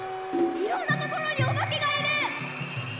いろんなところにおばけがいる！